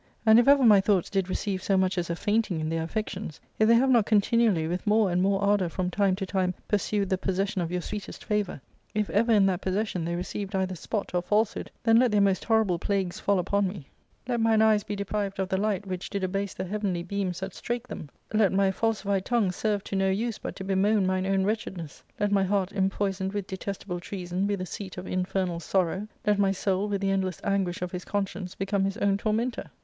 And if ever my thoughts did receive so much as a fainting in their affections, if they have not continually with more and more ardour from time to time pursued the possession of your sweetest favour ; if ever in that possession they received either spot or falsehood, then let their most horrible plagues fall upon me, let mine eyes be 4o8 ARCADIA.— Book IIL deprived of the light which did abase the heavenly bed.nis that strake them, let my falsified tongue serve to no use but to bemoan mine own wretchedness, let my heart impoisoned with detestable treason be the seat of infernal sorrow, let my soul with the endless anguish of his conscience become his own tormentor